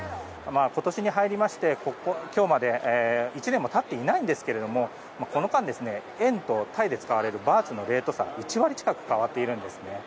今年に入りまして今日まで１年も経っていないんですけどこの間、円と、タイで使われるバーツのレート差が１割近く変わっているんですね。